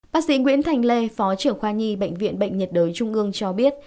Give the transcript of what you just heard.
bác sĩ nguyễn thành lê phó trưởng khoa nhi bệnh viện bệnh nhiệt đới trung ương cho biết